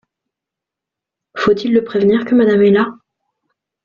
Faut-il le prévenir que Madame est là ?